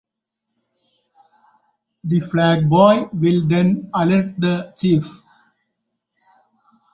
The 'Flagboy' will then alert the chief.